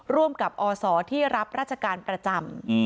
ร่วมกับอศที่รับราชการประจำ